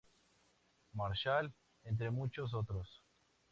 Marshall entre muchos otros.